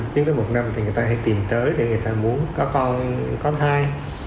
trước đến một năm thì người ta hãy tìm tới để người ta muốn có con có thai